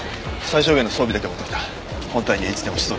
最小限の装備だけ持って来た。